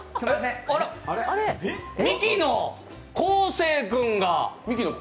ミキの昴生君が。